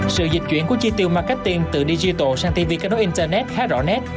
sự dịch chuyển của chi tiêu marketing từ digital sang tv kết nối internet khá rõ nét